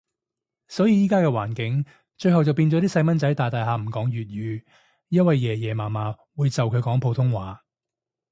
所以依家嘅環境，最後就變咗啲細蚊仔大大下唔講粵語，因為爺爺嫲嫲會就佢講普通話